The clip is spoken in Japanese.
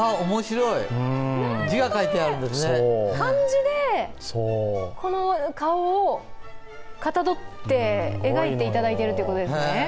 面白い、字が書いてあるんですね漢字で、この顔をかたどって描いていただいているということですね。